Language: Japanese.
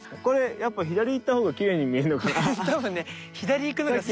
これやっぱ左行った方がきれいに見えるのかな？